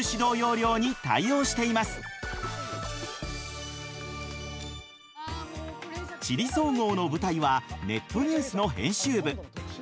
どれも「地理総合」の舞台はネットニュースの編集部。